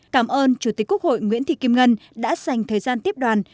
cảm ơn chủ tịch quốc hội nguyễn thị kim ngân đã dành thời gian tiếp đoàn